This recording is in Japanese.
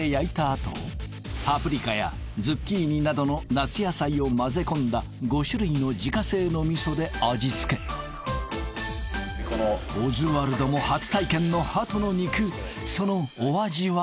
あとパプリカやズッキーニなどの夏野菜を混ぜ込んだ５種類の自家製の味で味付けオズワルドも初体験のハトの肉そのお味は？